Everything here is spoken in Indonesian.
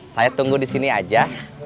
saya tunggu disini aja